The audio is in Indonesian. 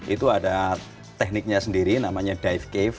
itu ada tekniknya sendiri namanya dive cave